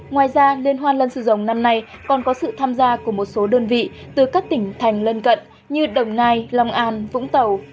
ngoài ra liên hoan lần sử dòng năm nay còn có sự tham gia của một số đơn vị từ các tỉnh thành lân cận như đồng nai long an vũng tàu